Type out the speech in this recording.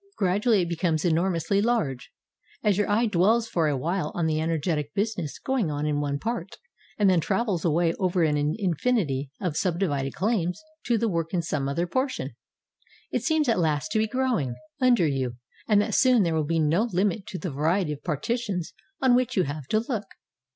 Gradually it becomes enor mously large, as your eye dwells for a while on the en ergetic business going on in one part, and then travels away over an infinity of subdivided claims to the work in some other portion. It seems at last to be growing under you and that soon there will be no Hmit to the variety of partitions on which you have to look.